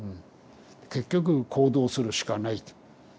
結局行動するしかないと。